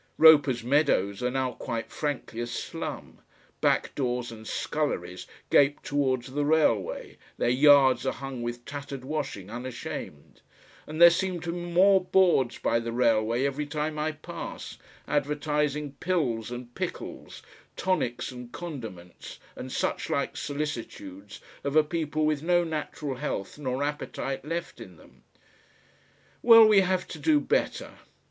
Roper's meadows are now quite frankly a slum; back doors and sculleries gape towards the railway, their yards are hung with tattered washing unashamed; and there seem to be more boards by the railway every time I pass, advertising pills and pickles, tonics and condiments, and suchlike solicitudes of a people with no natural health nor appetite left in them.... Well, we have to do better.